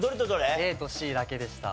ＡとＣだけでした。